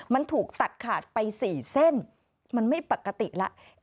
มันถูกตัดขาดไป๔เส้นมันไม่ปกติแล้ว